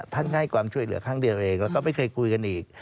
ท่านก็ให้ความช่วยเหลือครั้งเดียวเองแล้วก็ไม่เคยคุยกันอีก